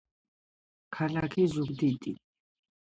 ქალაქი ზუგდიდი